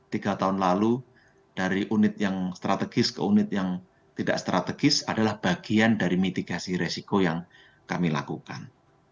tiga tahun lalu dari unit yang strategis ke unit yang tidak strategis adalah bagian dari mitigasi resiko yang kami lakukan